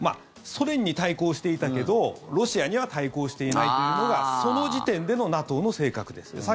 ソ連に対抗していたけどロシアには対抗していないというのがその時点でのＮＡＴＯの性格です。